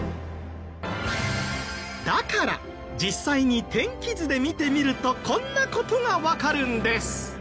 だから実際に天気図で見てみるとこんな事がわかるんです。